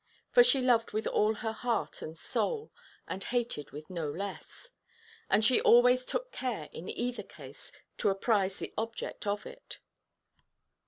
For she loved with all her heart and soul, and hated with no less; and she always took care in either case to apprise the object of it.